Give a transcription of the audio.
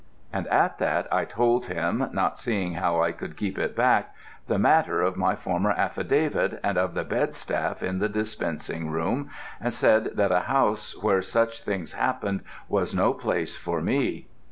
And at that I told him, not seeing how I could keep it back, the matter of my former affidavit and of the bedstaff in the dispensing room, and said that a house where such things happened was no place for me.